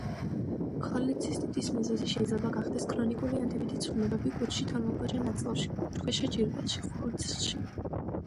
ქოლეცისტიტის მიზეზი შეიძლება გახდეს ქრონიკული ანთებითი ცვლილებები კუჭში, თორმეტგოჯა ნაწლავში, კუჭქვეშა ჯირკვალში, ღვიძლში.